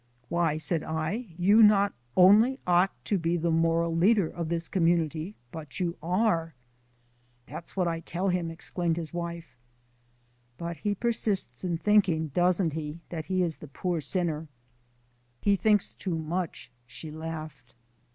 "Why," said I, "you not only ought to be the moral leader of this community, but you are!" "That's what I tell him," exclaimed his wife. "But he persists in thinking, doesn't he, that he is a poor sinner?" "He thinks it too much," she laughed.